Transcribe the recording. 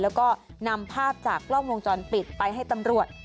แล้วก็นำภาพจากกล้องวงจรปิดไปให้ตำรวจ